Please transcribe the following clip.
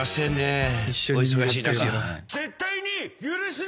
絶対に許すな！